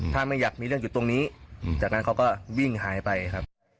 ถ้าไม่อยากมีเรื่องอยู่ตรงนี้จากนั้นเขาก็วิ่งหายไปครับ